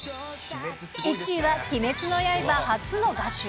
１位は鬼滅の刃、初の画集。